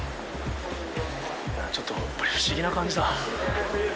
ちょっと不思議な感じだ。